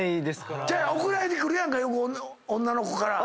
送られてくるやんかよく女の子から。